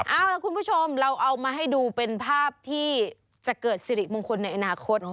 เอาล่ะคุณผู้ชมเราเอามาให้ดูเป็นภาพที่จะเกิดสิริมงคลในอนาคต